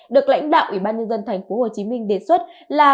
được lãnh đạo ủy ban nhân dân thành phố hồ chí minh đề xuất là